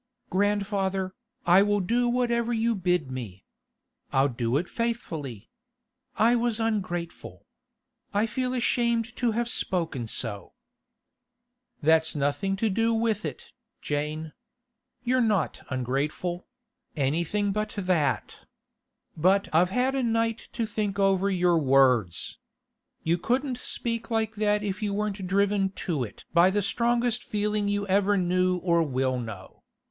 'Grandfather, I will do whatever you bid me. I'll do it faithfully. I was ungrateful. I feel ashamed to have spoken so.' 'That's nothing to do with it, Jane. You're not ungrateful; anything but that. But I've had a night to think over your words. You couldn't speak like that if you weren't driven to it by the strongest feeling you ever knew or will know.